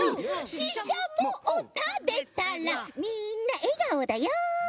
シシャモをたべたらみんなえがおだよ！